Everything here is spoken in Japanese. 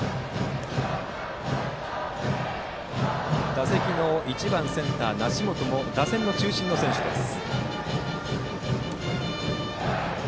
打席の１番センター、梨本も打線の中心の選手です。